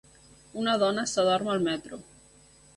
Una dona s'adorm al metro